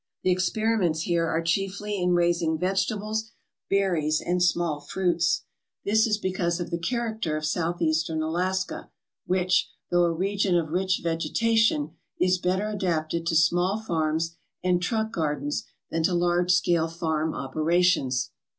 The experiments here are chiefly in raising vegetables, berries, and small fruits. This is because of the character of Southeastern Alaska, which, though a region of rich vegetation, is better adapted to small farms and truck gardens than to large scale farm operations.